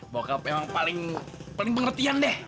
bapak memang paling paling pengertian deh